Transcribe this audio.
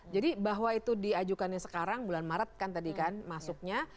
jadi bahwa itu diajukannya sekarang bulan maret kan tadi kan masuknya